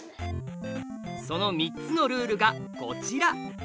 その３つのルールがこちら！